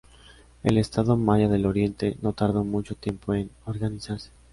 El estado maya del Oriente no tardó mucho tiempo en organizarse.